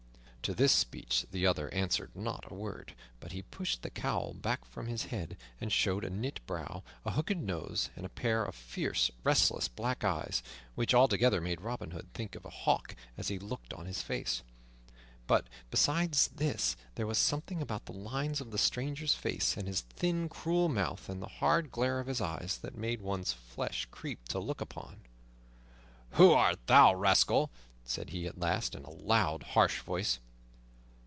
To this speech the other answered not a word, but he pushed the cowl back from his head and showed a knit brow, a hooked nose, and a pair of fierce, restless black eyes, which altogether made Robin think of a hawk as he looked on his face. But beside this there was something about the lines on the stranger's face, and his thin cruel mouth, and the hard glare of his eyes, that made one's flesh creep to look upon. "Who art thou, rascal?" said he at last, in a loud, harsh voice.